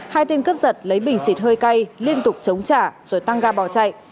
hai tên cướp giật lấy bình xịt hơi cay liên tục chống trả rồi tăng ga bỏ chạy